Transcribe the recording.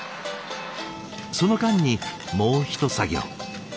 その間にもうひと作業。